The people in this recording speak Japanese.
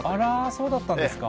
そうだったんですか。